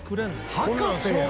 博士やん。